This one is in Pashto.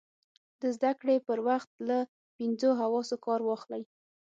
د زده کړې پر وخت له پینځو حواسو کار واخلئ.